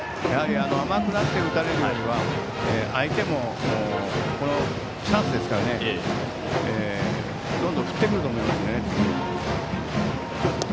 甘くなって打たれるよりは相手もチャンスですからどんどん振ってくると思います。